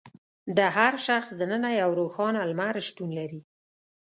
د هر شخص دننه یو روښانه لمر شتون لري.